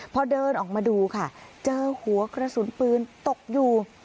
พอเดินออกมาดูค่ะเจอหัวกระสุนปืนตกอยู่